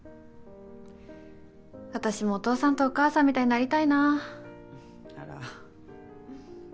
私もお父さんとお母さんみたいになりたいな。